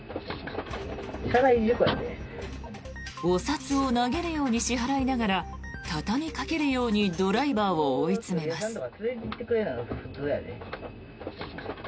お札を投げるように支払いながら畳みかけるようにドライバーを追い詰めます。